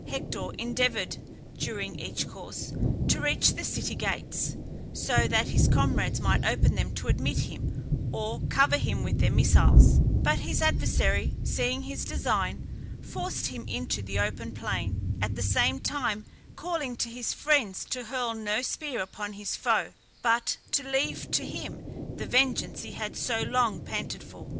Hector endeavoured, during each course, to reach the city gates, so that his comrades might open them to admit him or cover him with their missiles; but his adversary, seeing his design, forced him into the open plain, at the same time calling to his friends to hurl no spear upon his foe, but to leave to him the vengeance he had so long panted for.